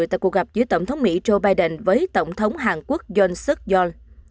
tại cuộc gặp giữa tổng thống mỹ joe biden với tổng thống hàn quốc john suk yol